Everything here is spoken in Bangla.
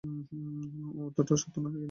এ উত্তরটা সত্য নহে, কিন্তু কটু।